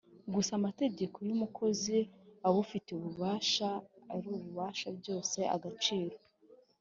gusa amategeko yumukozi ubufitiye ububasha abirusha byose agaciro